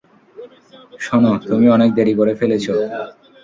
শোন, তুমি অনেক দেরি করে ফেলেছ।